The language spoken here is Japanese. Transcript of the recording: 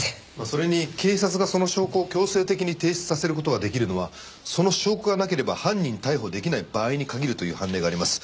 それに警察がその証拠を強制的に提出させる事が出来るのはその証拠がなければ犯人逮捕出来ない場合に限るという判例があります。